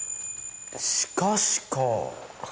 「しかし」かあ。